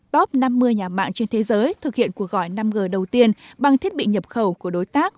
top năm mươi nhà mạng trên thế giới thực hiện cuộc gọi năm g đầu tiên bằng thiết bị nhập khẩu của đối tác